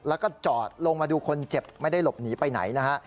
แล้วก็จอดลงมาดูคนเจ็บไม่ได้หลบหนีไปไหนนะฮะ